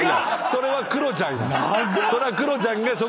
それはクロちゃんやん。